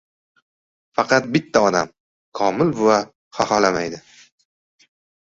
Faqat bitta odam - Komil buva xaholamaydi.